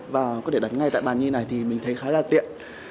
và có thể đặt ngay tại bàn như này thì mình thấy khá là tiện